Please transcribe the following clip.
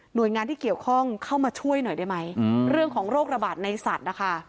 โดยงานที่เกี่ยวข้องเข้ามาช่วยหน่อยได้ไหมเรื่องของโรคระบาดในสัตว์นะคะ